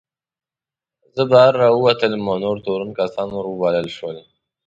زه بهر راووتلم او نور تورن کسان ور وبلل شول.